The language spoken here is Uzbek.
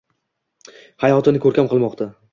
hayotini ko‘rkam qilmoqqa